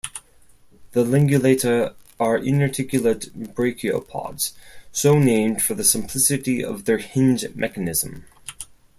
The Lingulata are inarticulate brachiopods, so named for the simplicity of their hinge mechanism.